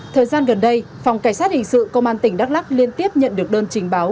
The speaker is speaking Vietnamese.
thời gian gần đây phòng cảnh sát hình sự công an tp hcm liên tiếp nhận được đơn trình báo